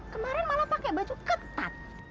kemarin malah pakai baju ketat